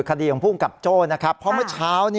คดีของภูมิกับโจ้นะครับเพราะเมื่อเช้า